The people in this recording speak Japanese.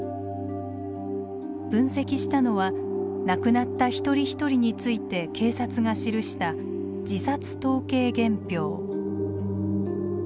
分析したのは亡くなった一人一人について警察が記した自殺統計原票。